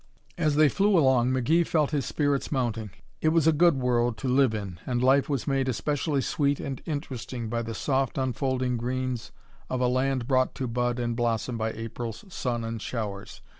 As they flew along McGee felt his spirits mounting. It was a good world to live in and life was made especially sweet and interesting by the soft unfolding greens of a land brought to bud and blossom by April's sun and showers.